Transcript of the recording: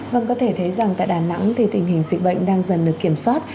vâng có thể thấy rằng tại đà nẵng thì tình hình dịch bệnh đang dần được kiểm soát